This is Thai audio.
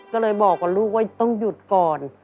ก็เลยบอกกับลูกว่าต้องหยุดก่อน